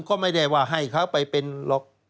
ก็ไม่ได้ว่าให้เขาไปเป็นหรอก